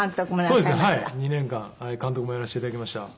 そうですね。２年間監督もやらせて頂きました。